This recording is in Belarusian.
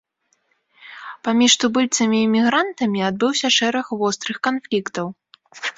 Паміж тубыльцамі і мігрантамі адбыўся шэраг вострых канфліктаў.